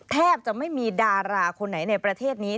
แทบจะไม่มีดาราคนไหนในประเทศนี้